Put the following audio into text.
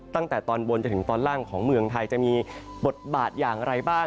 ตั้งแต่ตอนบนจนถึงตอนล่างของเมืองไทยจะมีบทบาทอย่างไรบ้าง